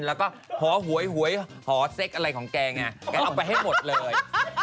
แล้วก็หอหวยหวยหอเซ็กอะไรของแกไงแกเอาไปให้หมดเลย